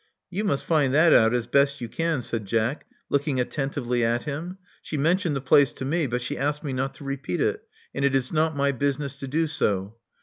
*' You must find that out as best you can," said Jack, looking attentively at him. She mentioned the place to me ; but she asked me not to repeat it, and it is not my business to do so."